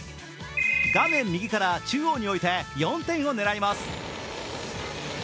画面右から中央に置いて４点を狙います。